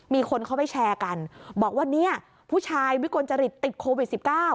มีคนเขาไปแชร์กันบอกว่าเนี่ยผู้ชายวิกลจริตติดโควิด๑๙